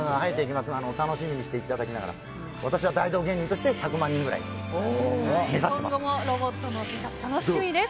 楽しみにしていただきながら私は大道芸人として１００万人ぐらい目指してます。